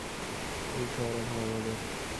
এই শহর এখন আমাদের!